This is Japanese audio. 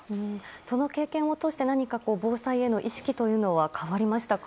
その経験を通して何か防災への意識というのは変わりましたか？